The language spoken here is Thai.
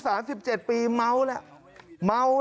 ทำไมคงคืนเขาว่าทำไมคงคืนเขาว่า